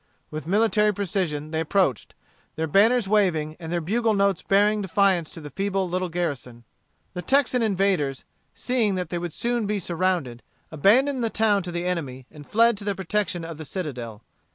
With military precision they approached, their banners waving, and their bugle notes bearing defiance to the feeble little garrison. The Texan invaders, seeing that they would soon be surrounded, abandoned the town to the enemy, and fled to the protection of the citadel.